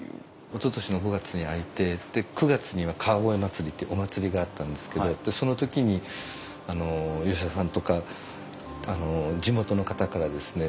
おととしの５月に開いて９月には川越まつりってお祭りがあったんですけどその時に吉田さんとか地元の方からですね